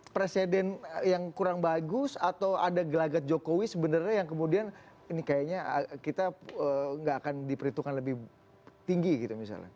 presiden yang kurang bagus atau ada gelagat jokowi sebenarnya yang kemudian ini kayaknya kita nggak akan diperhitungkan lebih tinggi gitu misalnya